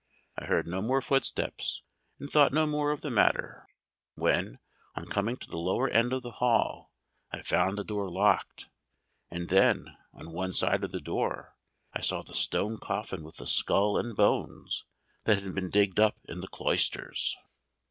I heard no more footsteps, and thought no more of the matter, when, on coming to the lower end of the hall, I found the door locked, and then, on one side of the door, I saw the stone coffin with the skull and bones that had been digged up in the cloisters."